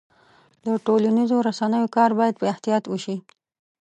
د ټولنیزو رسنیو کار باید په احتیاط وشي.